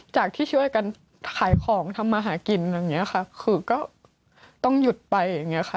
จากที่ช่วยกันขายของทำมาหากินคือก็ต้องหยุดไป